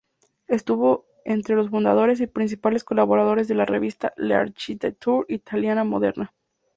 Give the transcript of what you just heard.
Estuvo entre los fundadores y principales colaboradores de la revista "L’architettura italiana moderna".